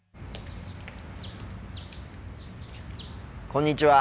こんにちは。